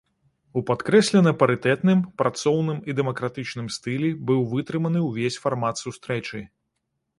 У падкрэслена парытэтным, працоўным і дэмакратычным стылі быў вытрыманы ўвесь фармат сустрэчы.